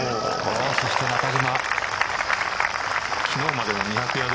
そして中島。